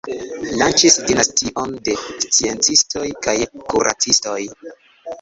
Lanĉis dinastion de sciencistoj kaj kuracistoj.